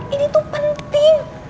ini tuh penting